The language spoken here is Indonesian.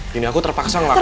gini aku terpaksa ngelakuin